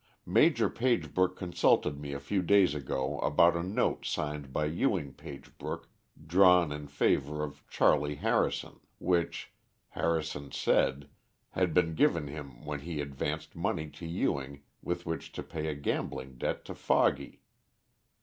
Maj. Pagebrook consulted me a few days ago about a note signed by Ewing Pagebrook, drawn in favor of Charley Harrison, which, Harrison said, had been given him when he advanced money to Ewing with which to pay a gambling debt to Foggy.